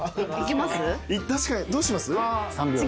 確かにどうします？